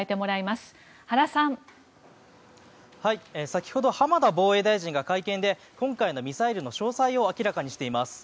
先ほど浜田防衛大臣が会見で今回のミサイルの詳細を明らかにしています。